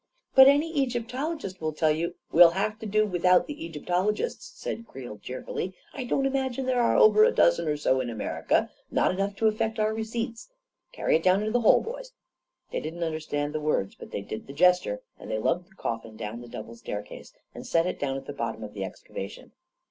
44 But any Egyptologist will tell you ..." 44 We'll have to do without the Egyptologists," said Creel cheerfully. 4€ I don't imagine there are over a dozen or so in America — not enough to af 158 A KING IN BABYLON feet our receipts. Carry it down into the hole, boys." They didn't understand the words, but they did the gesture, and they lugged the coffin down the dou ble staircase, and set it down at the bottom of the excavation.